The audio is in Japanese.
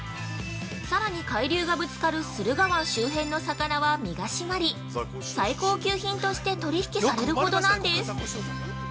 さらに海流がぶつかる駿河湾周辺の魚は身が締まり最高級品として取引されるほどなんです。